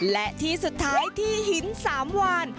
และที่สุดท้ายที่หินสามวาน